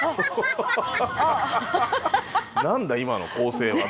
何だ今の構成は。